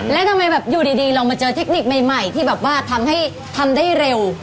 แล้วทำไมแบบอยู่ดีเรามาเจอเทคนิคใหม่ที่แบบว่าทำให้ทำได้เร็ว